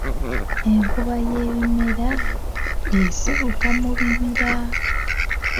"Enkuba y'ebimera, esibuka mu bibira."